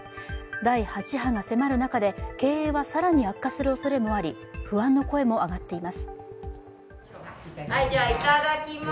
第８波が迫る中で経営は更に悪化するおそれもあり不安の声も上がっています。